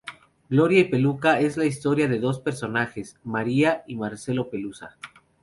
Gloria y Peluca es la historia de dos personajes, María y Marcelo Pelusa.